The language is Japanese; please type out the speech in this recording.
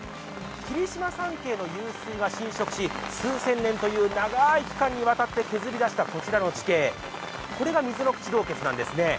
霧島山系の湧水が浸食し数千年という長い期間にわたって削り出したこちらの地形、これが溝ノ口洞穴なんですね。